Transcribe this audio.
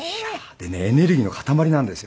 でねエネルギーの塊なんですよ。